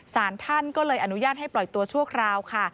สารท่านก็เลยอนุญาตให้ปล่อยตัวชั่วคราวค่ะ